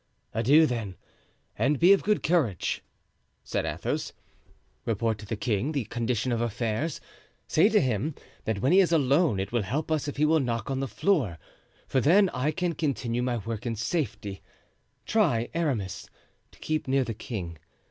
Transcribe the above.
"Adieu, then, and be of good courage," said Athos. "Report to the king the condition of affairs. Say to him that when he is alone it will help us if he will knock on the floor, for then I can continue my work in safety. Try, Aramis, to keep near the king.